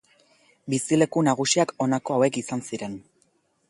Bizileku nagusiak honako hauek izan ziren.